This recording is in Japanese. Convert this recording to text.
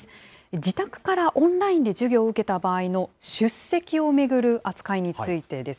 自宅からオンラインで授業を受けた場合の出席を巡る扱いについてです。